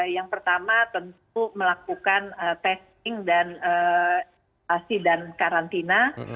yang pertama tentu melakukan testing dan asid dan karantina